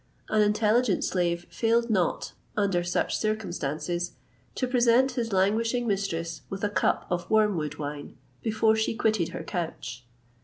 An intelligent slave failed not, under such circumstances, to present his languishing mistress with a cup of wormwood wine, before she quitted her couch.